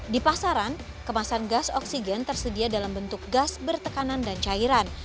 di pasaran kemasan gas oksigen tersedia dalam bentuk gas bertekanan dan cairan